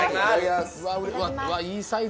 いいサイズ！